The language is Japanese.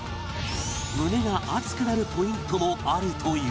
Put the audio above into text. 胸が熱くなるポイントもあるという